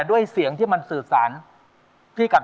ช่วยฝังดินหรือกว่า